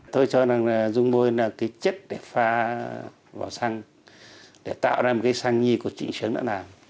tôi cho rằng rung môi là cái chất để pha vào xăng để tạo ra một cái xăng nhi của trịnh sướng đã làm